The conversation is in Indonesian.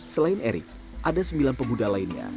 selain erik ada sembilan pemuda lainnya